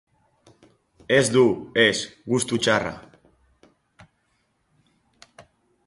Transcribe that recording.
Ez du, ez, gustu txarra.